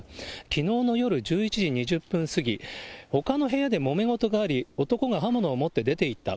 きのうの夜１１時２０分過ぎ、ほかの部屋でもめ事があり、男が刃物を持って出ていった。